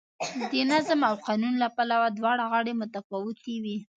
د نظم او قانون له پلوه دواړه غاړې متفاوتې وې.